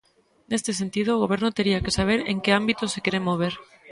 Neste sentido, o Goberno tería que saber en que ámbito se quere mover.